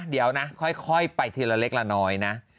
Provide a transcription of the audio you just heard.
เดี๋ยวนะค่อยไปทีละเล็กละน้อยนะ